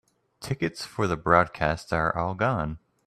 Tickets for the broadcast are all gone.